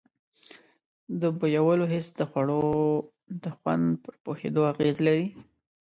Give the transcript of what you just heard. د بویولو حس د خوړو د خوند پر پوهېدو اغیز لري.